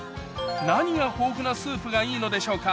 何が豊富なスープがいいのでしょうか？